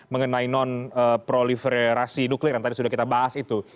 mengenai non proliferasi nuklir yang tadi sudah kita bahas itu